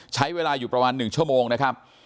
ใช้เวลาอยู่ประมาณ๑ชั่วโมงนะครับ